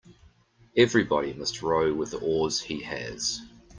Everybody must row with the oars he has.